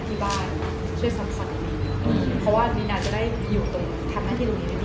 เพราะกลัวภาพไม่ได้ติดใจครับ